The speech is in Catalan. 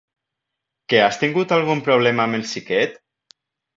Que has tingut algun problema amb el xiquet?